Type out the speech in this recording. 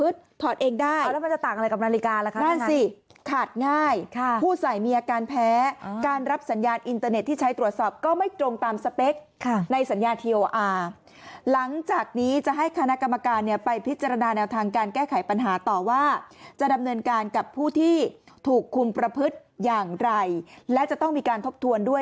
ถอดเองได้แล้วมันจะต่างอะไรกับนาฬิกาละคะนั่นสิขาดง่ายผู้สายเมียการแพ้การรับสัญญาณอินเตอร์เน็ตที่ใช้ตรวจสอบก็ไม่ตรงตามสเปคในสัญญาณทีโออาร์หลังจากนี้จะให้คณะกรรมการเนี่ยไปพิจารณาแนวทางการแก้ไขปัญหาต่อว่าจะดำเนินการกับผู้ที่ถูกคุมประพฤติอย่างไรและจะต้องมีการทบทวนด้วย